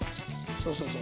そうそう。